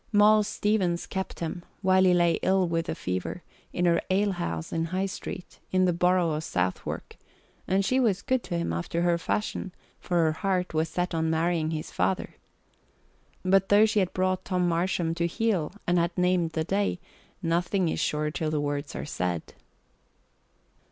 Moll Stevens kept him, while he lay ill with the fever, in her alehouse in High Street, in the borough of Southwark, and she was good to him after her fashion, for her heart was set on marrying his father. But though she had brought Tom Marsham to heel and had named the day, nothing is sure till the words are said.